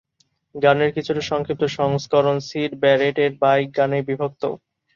গানের কিছুটা সংক্ষিপ্ত সংস্করণ সিড ব্যারেটের "বাইক" গানে বিভক্ত।